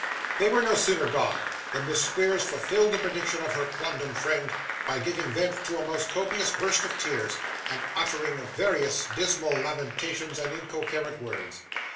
They were no sooner gone, than Miss Squeers fulfilled the prediction of her quondam friend by giving vent to a most copious burst of tears, and uttering various dismal lamentations and incoherent words.